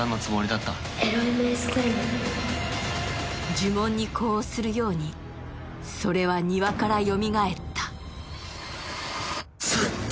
呪文に呼応するように、それは庭からよみがえった。